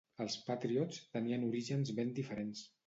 Els Patriots tenien orígens ben diferents.